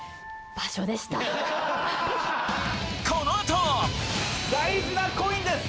このあと大事なコインです。